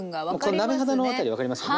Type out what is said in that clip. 鍋肌の辺り分かりますかね？